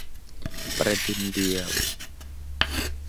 ประเด็นเดียว